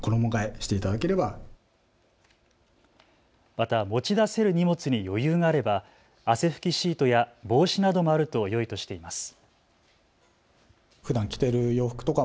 また持ち出せる荷物に余裕があれば汗ふきシートや帽子などもあるとよいとしています。